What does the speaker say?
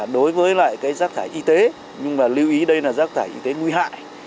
đối với rác thải y tế nhưng lưu ý đây là rác thải y tế nguy hại